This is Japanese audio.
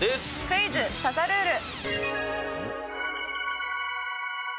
クイズ刺さルール！